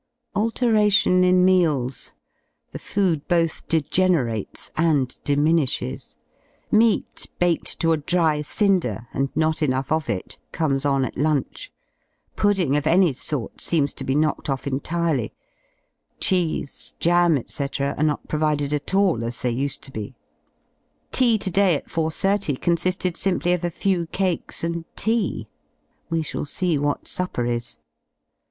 Alteration in meals. The food both degenerates and diminishes; meat baked to a dry cinder, and not enough of it comes on at lunch; pudding of any sort seems to be knocked off entirely; cheese, jam, ^c, are not provided at all as they used to be. Tea to day at 4.30 consi^ed simply of a few cakes and tea; we shall see what supper is.